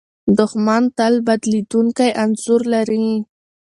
دښمن تل بدلېدونکی انځور لري.